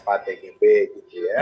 pak tgb gitu ya